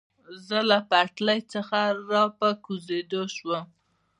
زه له پټلۍ څخه په را کوزېدو شوم.